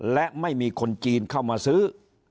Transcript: และไม่มีคนจีนเข้ามาซื้อ